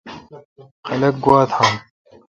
خلق گوا تھان۔